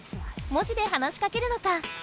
文字で話しかけるのか！